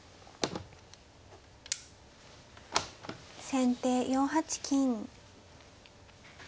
先手４八金。